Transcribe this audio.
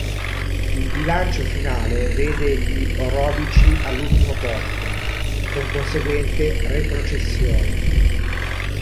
Il bilancio finale vede gli orobici all'ultimo posto, con conseguente retrocessione.